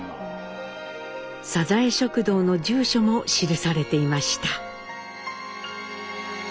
サザエ食堂の住所も記されていました。